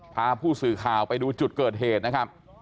พาผู้สื่อข่าวไปดูจุดเกิดเหตุนะครับ